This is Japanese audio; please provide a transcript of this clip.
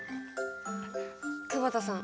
久保田さん